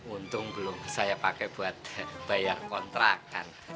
untung belum saya pakai buat bayar kontrakan